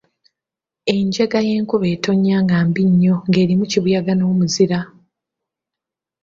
Enjega y’enkuba etonnya nga mbi nnyo ng’erimu kibuyaga n’omuzira.